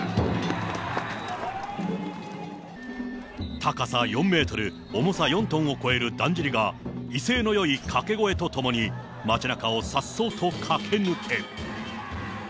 高さ４メートル、重さ４トンを超えるだんじりが、威勢のよい掛け声とともに街なかをさっそうと駆け抜ける。